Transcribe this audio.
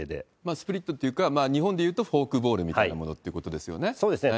スプリットというか、日本でいうとフォークボールみたいなもそうですね。